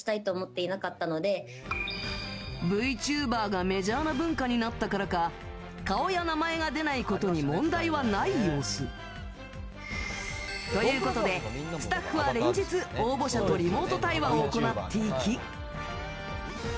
ＶＴｕｂｅｒがメジャーな文化になったからか顔や名前が出ないことに問題はない様子。ということで、スタッフは連日応募者とリモート対話を行っていき。